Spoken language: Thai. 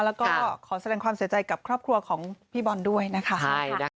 แล้วก็ขอแสดงความเสียใจกับครอบครัวของพี่บอลด้วยนะคะ